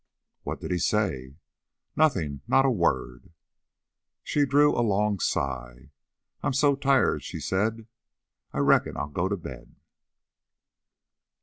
"What did he say?" "Nothing. Not a word." She drew a long sigh. "I'm so tired," she said. "I reckon I'll go to bed."